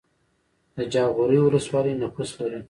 د جاغوری ولسوالۍ نفوس لري